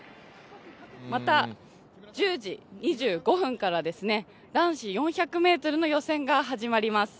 また、１０時２５分から男子４００ｍの予選が始まります。